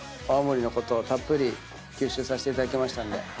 青森のことをたっぷり吸収させていただきましたんで。